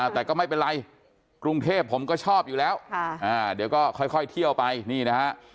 แต่ก็ไม่เป็นไรกรุงเทพผมก็ชอบอยู่แล้วเดี๋ยวก็ค่อยเที่ยวไปนี่นะฮะ